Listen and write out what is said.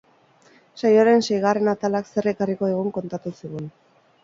Saioaren seigarren atalak zer ekarriko digun kontatu zigun.